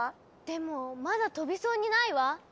でもまだ飛びそうにないわ。